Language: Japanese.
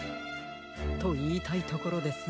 といいたいところですが。